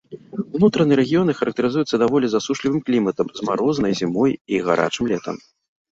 Унутраныя рэгіёны характарызуюцца даволі засушлівым кліматам з марознай зімой і гарачым летам.